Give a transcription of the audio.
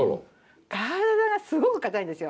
体がすごく硬いんですよ。